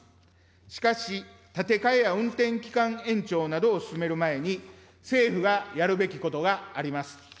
しかし、建て替えや運転期間延長などを進める前に、政府がやるべきことがあります。